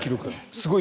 すごい。